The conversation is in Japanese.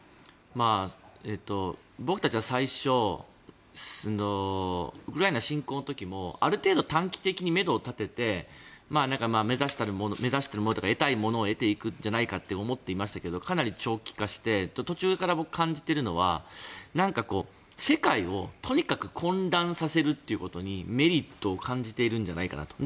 僕たちは最初ウクライナ侵攻の時もある程度、短期的にめどを立てて目指しているものとか得たいものを得ていくんじゃないかと思っていましたけどかなり長期化して途中から僕、感じているのは世界をとにかく混乱させるということにメリットを感じているんじゃないかと。